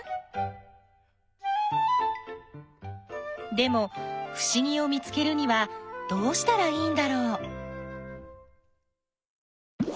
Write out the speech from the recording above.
でもふしぎを見つけるにはどうしたらいいんだろう？